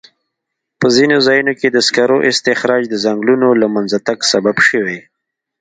په ځینو ځایونو کې د سکرو استخراج د ځنګلونو له منځه تګ سبب شوی.